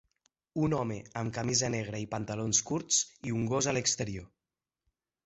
Un home amb camisa negra i pantalons curts i un gos a l'exterior.